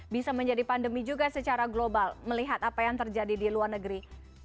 bisa menjadi pandemi juga secara global melihat apa yang terjadi di luar negeri